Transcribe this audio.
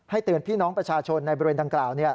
เตือนพี่น้องประชาชนในบริเวณดังกล่าว